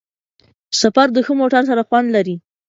سفر د ښه موټر سره خوند لري.